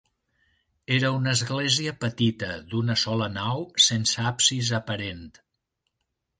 Era una església petita, d'una sola nau, sense absis aparent.